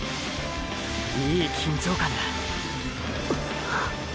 いい緊張感だ。っ！